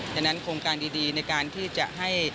อย่างนั้นโครงการติดดีในการที่จะให้